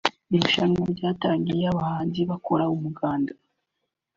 Irushanwa ryatangiye abahanzi bakora umuganda